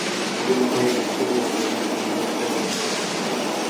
دې لپاره د سیمو اوسېدونکو مرسته مهمه ده.